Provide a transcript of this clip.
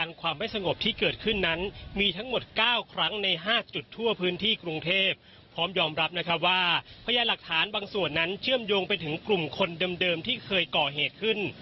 และให้หลักฐานบางส่วนนั้นเชื่อมโยงไปถึงกลุ่มคนเดิมที่เคยก่อเหตุขึ้น